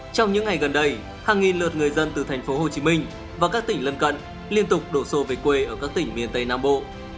trong những ngày gần đây hàng nghìn lượt người dân từ thành phố hồ chí minh và các tỉnh lân cận liên tục đổ xô về quê ở các tỉnh miền tây nam bộ